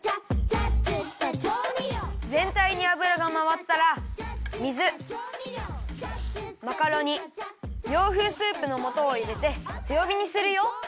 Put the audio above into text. ぜんたいにあぶらがまわったら水マカロニ洋風スープのもとをいれてつよびにするよ。